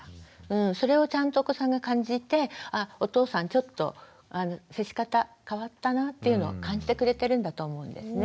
それをちゃんとお子さんが感じてお父さんちょっと接し方変わったなっていうのを感じてくれてるんだと思うんですね。